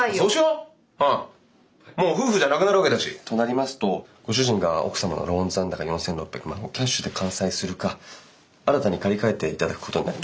うんもう夫婦じゃなくなるわけだし。となりますとご主人が奥様のローン残高４，６００万をキャッシュで完済するか新たに借り換えていただくことになりますが。